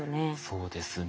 そうですね。